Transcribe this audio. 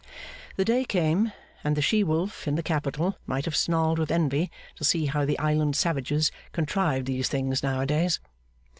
The day came, and the She Wolf in the Capitol might have snarled with envy to see how the Island Savages contrived these things now a days.